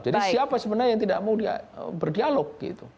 jadi siapa sebenarnya yang tidak mau berdialog gitu